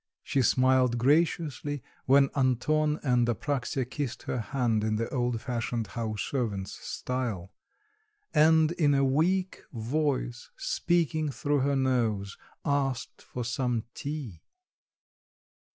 She smiled graciously when Anton and Apraxya kissed her hand in the old fashioned house servants' style; and in a weak voice, speaking through her nose, asked for some tea.